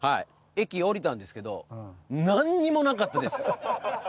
駅降りたんですけど何もなかったです。